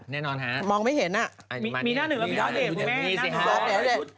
แน่นอนฮะมองไม่เห็นอ่ะมีหน้าหนึ่งหรือเปลี่ยนมีหน้าหนึ่งหรือเปลี่ยน